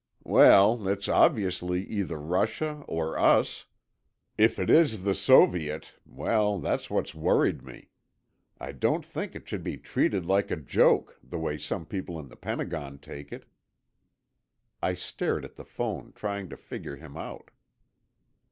"Well, it's obviously either Russia or us. If it is the Soviet—well, that's what's worried me. I don't think it should be treated like a joke, the way some people in the Pentagon take it." I stared at the phone, trying to figure him out.